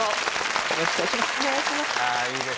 よろしくお願いします